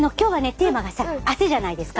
テーマがさ「汗」じゃないですか。